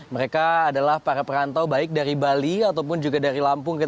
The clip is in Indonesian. mereka adalah para perantau baik dari bali ataupun juga dari lampung